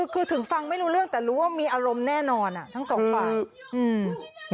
คือถึงฟังไม่รู้เรื่องแต่รู้ว่ามีอารมณ์แน่นอนอ่ะทั้งสองฝ่ายอืม